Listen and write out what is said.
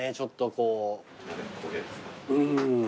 うん。